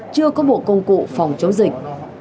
chưa có bộ công cụ phòng chống dịch